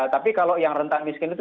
tapi kalau yang rentan miskin itu